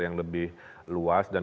yang lebih luas dan